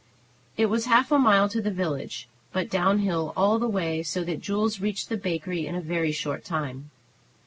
It was half a mile to the village, but down hill all the way, so that Jules reached the bakery in a very short time.